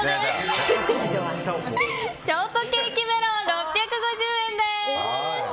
ショートケーキ・メロン６５０円です。